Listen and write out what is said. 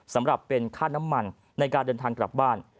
สำหรับเป็นค่าน้ำมันในการเดินทางกลับบ้าน